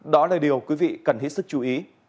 đó là điều quý vị cần hết sức chú ý